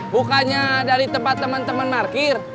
bukannya dari temen temen parkir